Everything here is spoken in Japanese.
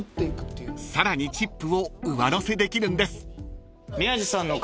［さらにチップを上乗せできるんです］